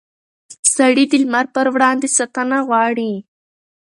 سړي د لمر پر وړاندې ساتنه غواړي.